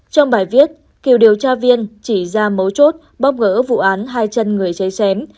trong bài viết kiều điều tra viên chỉ ra mấu chốt bóc gỡ vụ án hai chân người cháy xém